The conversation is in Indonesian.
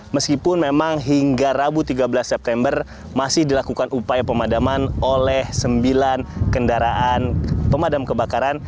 meskipun memang hingga rabu tiga belas september masih dilakukan upaya pemadaman oleh sembilan kendaraan pemadam kebakaran